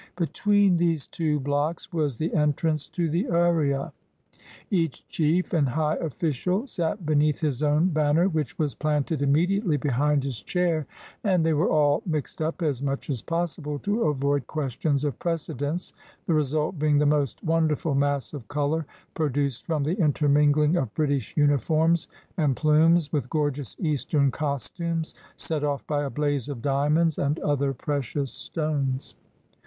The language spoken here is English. Between these two blocks was the entrance to the area. Each chief and high official sat beneath his own ban ner, which was planted immediately behind his chair, and they were all mixed up as much as possible to avoid questions of precedence, the result being the most won derful mass of color, produced from the intermingling of British uniforms and plumes with gorgeous Eastern costumes, set off by a blaze of diamonds and other pre cious stones.